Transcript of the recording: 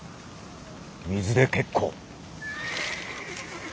水で結構。